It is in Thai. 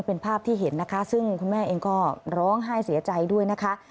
เป็นภาพที่เห็นซึ่งคุณแม่อังกฟร้องห้ายเสียใจด้วย